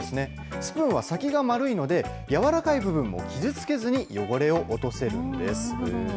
スプーンは先が丸いので、軟らかい部分も傷つけずに汚れを落とせるんです。